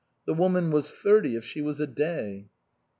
The woman was thirty if she was a day.